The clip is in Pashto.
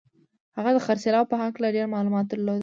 هغه د خرڅلاو په هکله ډېر معلومات درلودل